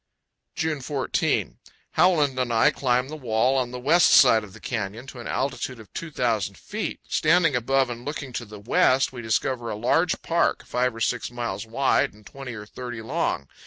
June 14. Howland and I climb the wall on the west side of the canyon to an altitude of 2,000 feet. Standing above and looking to the west, we discover a large park, five or six miles wide and twenty or thirty long.